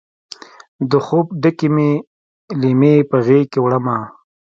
د خوب ډکې مې لیمې په غیږکې وړمه